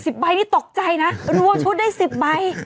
ใบนี้ตกใจนะรวมชุดได้สิบใบ